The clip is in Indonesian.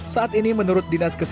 saat ini menurut dinasikasi